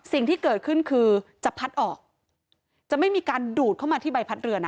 สิ่งที่เกิดขึ้นคือจะพัดออกจะไม่มีการดูดเข้ามาที่ใบพัดเรือนะ